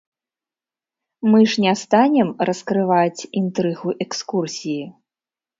Мы ж не станем раскрываць інтрыгу экскурсіі.